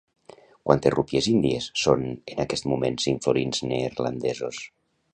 Quantes rúpies índies són en aquest moment cinc florins neerlandesos?